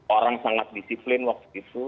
orang sangat disiplin waktu itu